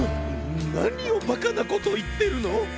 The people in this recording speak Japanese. ななにをバカなこといってるの！